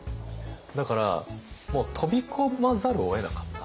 だからもう飛び込まざるをえなかった。